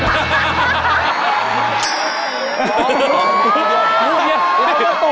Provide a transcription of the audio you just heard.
มีวิวอยู่